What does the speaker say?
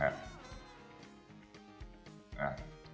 ใช่ไหมฮะ